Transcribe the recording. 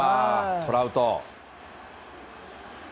トラウト。